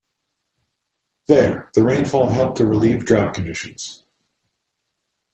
There, the rainfall helped to relieve drought conditions.